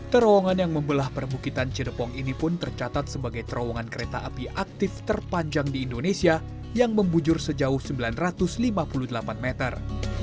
terowongan yang membelah perbukitan cidepong ini pun tercatat sebagai terowongan kereta api aktif terpanjang di indonesia yang membujur sejauh sembilan ratus lima puluh delapan meter